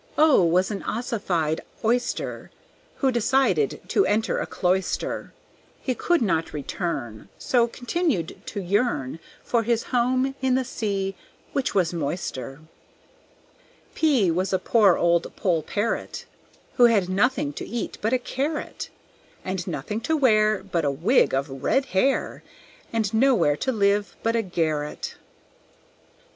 O was an ossified Oyster, Who decided to enter a cloister. He could not return, So continued to yearn For his home in the sea, which was moister. P was a poor old Poll Parrot, Who had nothing to eat but a carrot, And nothing to wear But a wig of red hair, And nowhere to live but a garret.